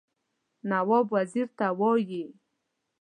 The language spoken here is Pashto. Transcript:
نواب وزیر ته ووايي.